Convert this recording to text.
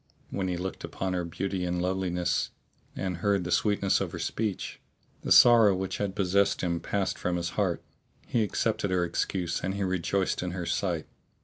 When he looked upon her beauty and loveliness and heard the sweetness of her speech, the sorrow which had possessed him passed from his heart; he accepted her excuse and he rejoiced in her sight.